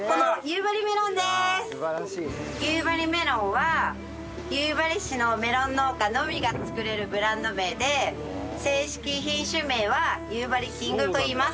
夕張メロンは夕張市のメロン農家のみが作れるブランド名で正式品種名は夕張キングといいます。